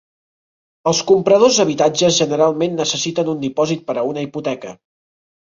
Els compradors d'habitatges generalment necessiten un dipòsit per a una hipoteca.